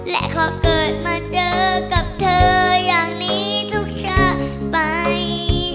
และขอเกิดมาเจอกับเธออย่างนี้ทุกชาติไป